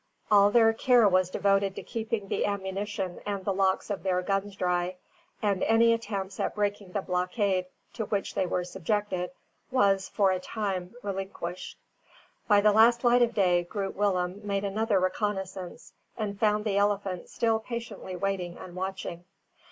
All their care was devoted to keeping the ammunition and the locks of their guns dry; and any attempts at breaking the blockade to which they were subjected, was, for a time, relinquished. By the last light of day, Groot Willem made another reconnaissance and found the elephant still patiently waiting and watching.